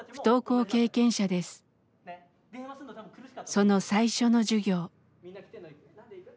その最初の授業。